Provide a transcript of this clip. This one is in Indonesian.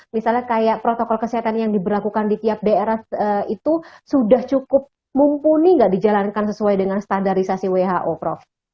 misalnya kayak protokol kesehatan yang diberlakukan di tiap daerah itu sudah cukup mumpuni nggak dijalankan sesuai dengan standarisasi who prof